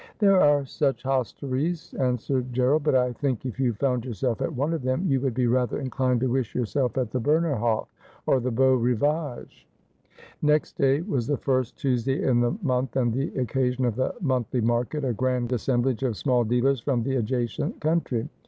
' There are such hostelries,' answered Gerald ;' but I think, if you found yourself at, one of them, you would be rather inclined to wish yourself at the Berner Hof, or the Beau Rivage.' Next day was the first Tuesday in the month, and the occa sion of the monthly market, a grand assemblage of small dealers from the adjacent country.